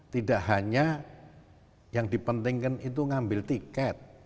tidak hanya yang dipentingkan itu ngambil tiket